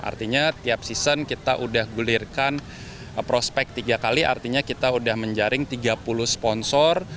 artinya tiap season kita udah gulirkan prospek tiga kali artinya kita sudah menjaring tiga puluh sponsor